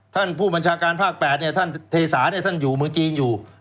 ท่านผู้บัญชาการภาค๘ท่านเทสาท่านอยู่เมืองจีนอยู่